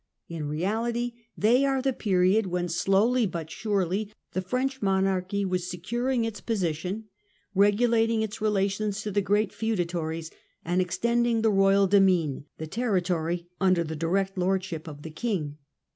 In reality they are the period when, slowly but surely, the French monarchy was securing its position, regulating its rela tions to the great feudatories, and extending the royal demesne, the territory under the direct lordship of the king.